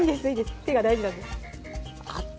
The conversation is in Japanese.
手が大事なんでアッチ！